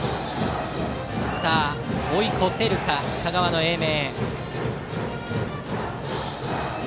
追い越せるか、香川の英明。